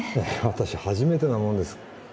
私初めてなものです